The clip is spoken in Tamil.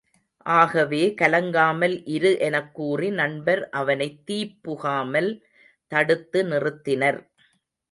ஆகவே கலங்காமல் இரு எனக் கூறி நண்பர் அவனைத் தீப்புகாமல் தடுத்து நிறுத்தினர்.